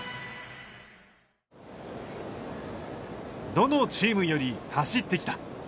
どのチームより走ってきた。